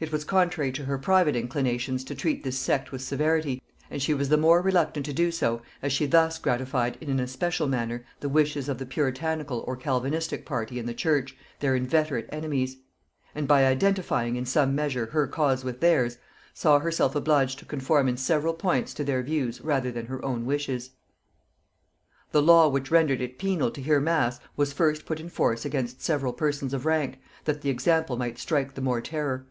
It was contrary to her private inclinations to treat this sect with severity, and she was the more reluctant to do so as she thus gratified in an especial manner the wishes of the puritanical or Calvinistic party in the church, their inveterate enemies; and by identifying in some measure her cause with theirs, saw herself obliged to conform in several points to their views rather than her own wishes. The law which rendered it penal to hear mass was first put in force against several persons of rank, that the example might strike the more terror.